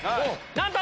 なんと！